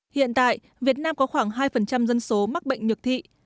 hiện tại việt nam có khoảng hai dân số mắc bệnh nhược thị